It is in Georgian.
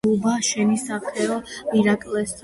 ბუბა შენი სახეო ირაკლისთან ვნახეო.